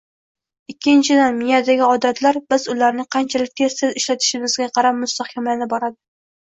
Ikkinchidan, miyadagi odatlar biz ularni qanchalik tez-tez ishlatishimizga qarab mustahkamlana boradi